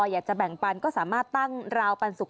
อยากจะแบ่งปันก็สามารถตั้งราวปันสุก